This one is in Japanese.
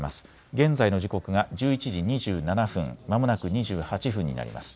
現在の時刻が１１時２７分、まもなく２８分になります。